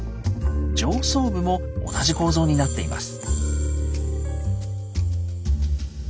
上層部も同じ構造になっています。